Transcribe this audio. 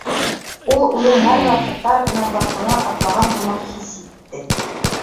Ул үҙен һәр ваҡыт тар гына баҫманан атлаған һымаҡ хис итте.